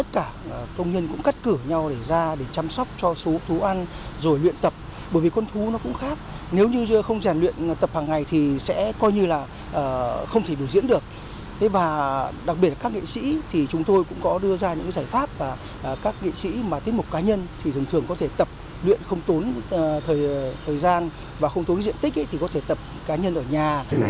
các nghệ sĩ mà tiết mục cá nhân thì thường thường có thể tập luyện không tốn thời gian và không tốn diện tích thì có thể tập cá nhân ở nhà